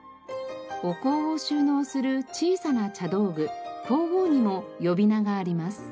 お香を収納する小さな茶道具香合にも呼び名があります。